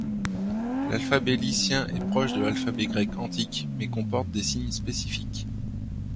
L'alphabet lycien est proche de l'alphabet grec antique mais comporte des signes spécifiques.